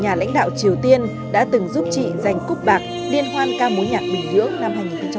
nhà lãnh đạo triều tiên đã từng giúp chị giành cúp bạc liên hoan ca mũi nhạc bình nhưỡng năm hai nghìn một mươi hai